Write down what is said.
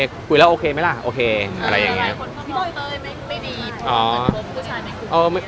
สิบ้อยตะอลไม่ดี